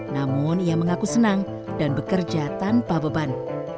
namun ia mengaku senang dan bekerja tanpa beban